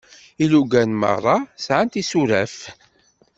Ilugan merra sεan tisuraf.